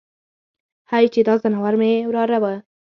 هی چې دا ځناور مې وراره وای.